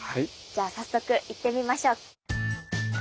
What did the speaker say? じゃあ早速行ってみましょう。